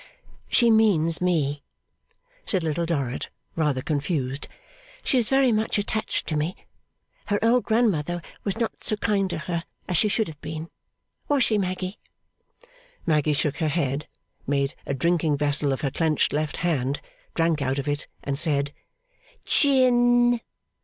'She means me,' said Little Dorrit, rather confused; 'she is very much attached to me. Her old grandmother was not so kind to her as she should have been; was she, Maggy?' Maggy shook her head, made a drinking vessel of her clenched left hand, drank out of it, and said, 'Gin.